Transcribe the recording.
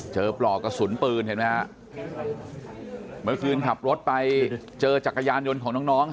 ปลอกกระสุนปืนเห็นไหมฮะเมื่อคืนขับรถไปเจอจักรยานยนต์ของน้อง